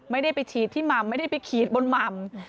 ไม่ได้ไปฉีดที่หม่ำไม่ได้ไปขีดบนหม่ำ